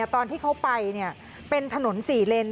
ตอนที่เขาไปเป็นถนน๔เลน